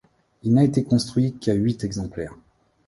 Il n'a été construit qu'à huit exemplaires.